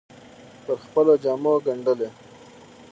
پر خپلو جامو ګنډلې